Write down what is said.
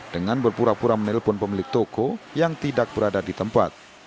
dengan berpura pura menelpon pemilik toko yang tidak berada di tempat